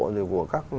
rồi của các